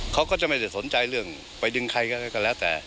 เขาก็จะไม่ได้สนใจเรื่องไปดึงใครก็แล้วแต่